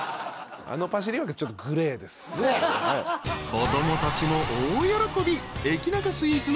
［子供たちも大喜び］